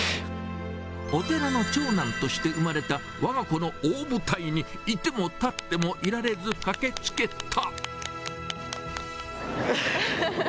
お寺の長男として生まれたわが子の大舞台に、いても立ってもいられず駆けつけた。